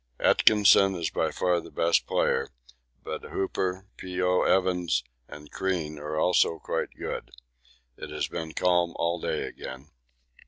Atkinson is by far the best player, but Hooper, P.O. Evans, and Crean are also quite good. It has been calm all day again.